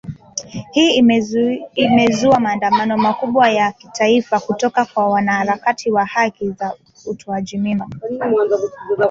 Hii imezua maandamano makubwa ya kitaifa kutoka kwa wanaharakati wa haki za utoaji mimba